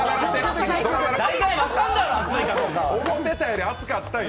思ってたより熱かったんよ